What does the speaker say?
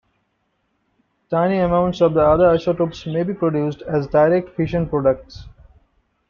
Tiny amounts of the other isotopes may be produced as direct fission products.